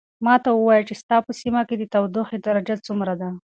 ماته ووایه چې ستا په سیمه کې د تودوخې درجه څومره ده.